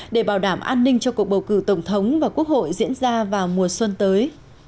để bảo đảm an ninh cho cuộc bầu cử tổng thống và quốc hội diễn ra vào mùa xuân tới